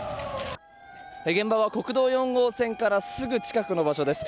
現場は国道４号線からすぐ近くの場所です。